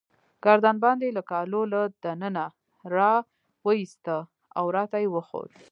ګردن بند يې له کالو له دننه راوایستی، او راته يې وښود.